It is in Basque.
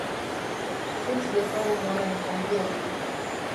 Utz dezagun orain kontu hori.